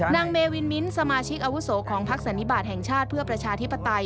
เมวินมิ้นสมาชิกอาวุโสของพักสันนิบาทแห่งชาติเพื่อประชาธิปไตย